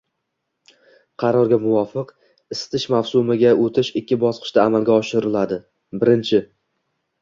Qarorga muvofiq, isitish mavsumiga o'tish ikki bosqichda amalga oshiriladi: birinchi